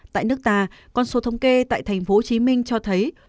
tại nước ta con số thống kê tại tp hcm cho thấy